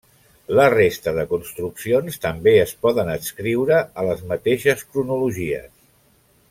La resta de construccions també es poden adscriure a les mateixes cronologies.